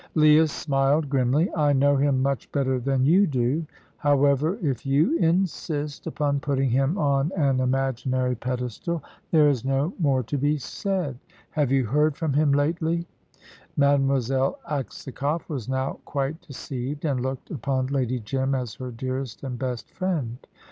Leah smiled grimly. "I know him much better than you do. However, if you insist upon putting him on an imaginary pedestal, there is no more to be said. Have you heard from him lately?" Mademoiselle Aksakoff was now quite deceived, and looked upon Lady Jim as her dearest and best friend.